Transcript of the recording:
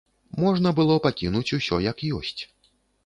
Можна было пакінуць усё як ёсць.